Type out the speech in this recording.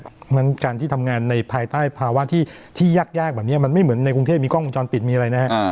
เพราะฉะนั้นการที่ทำงานในภายใต้ภาวะที่ยากแบบนี้มันไม่เหมือนในกรุงเทพมีกล้องวงจรปิดมีอะไรนะฮะ